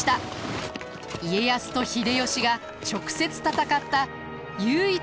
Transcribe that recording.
家康と秀吉が直接戦った唯一の大戦です。